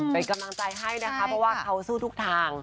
เป็นกำลังใจให้นะคะเพราะว่าเขาสู้ทุกทาง